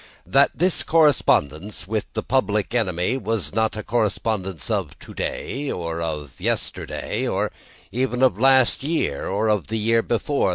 That this correspondence with the public enemy was not a correspondence of to day, or of yesterday, or even of last year, or of the year before.